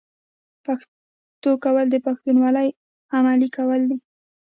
پښتو کول د پښتونولۍ عملي کول دي.